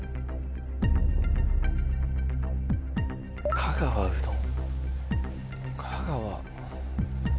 香川うどん？